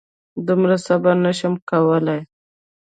دومره صبر نه شم کولی.